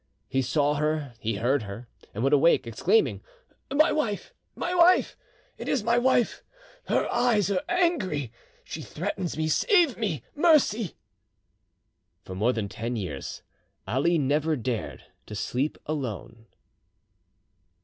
He saw her, he heard her, and would awake, exclaiming, "my wife! my wife!—It is my wife!—Her eyes are angry; she threatens me!—Save me! Mercy!" For more than ten years Ali never dared to sleep alone.